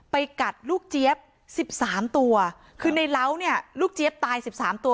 กัดลูกเจี๊ยบสิบสามตัวคือในเหล้าเนี่ยลูกเจี๊ยบตายสิบสามตัว